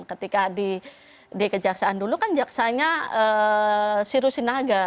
ketika di kejaksaan dulu kan jaksanya siru sinaga